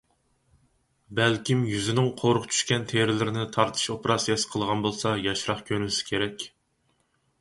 بەلكىم يۈزىنىڭ قورۇق چۈشكەن تېرىلىرىنى تارتىش ئوپېراتسىيەسى قىلغان بولسا ياشراق كۆرۈنسە كېرەك.